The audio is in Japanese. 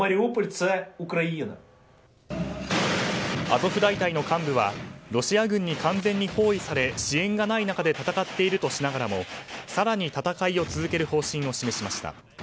アゾフ大隊の幹部はロシア軍に完全に包囲され支援がない中で戦っているとしながらも更に戦いを続ける方針を示しました。